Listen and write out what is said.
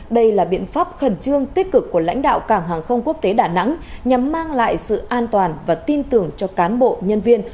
đây là biện pháp khẩn trương tích cực của lãnh đạo cảng hàng không quốc tế đà nẵng nhằm mang lại sự an toàn và tin tưởng cho cán bộ nhân viên